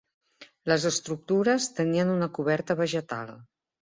Les estructures tenien una coberta vegetal.